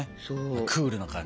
クールな感じ。